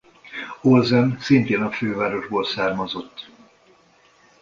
Olsen szintén a fővárosból származott.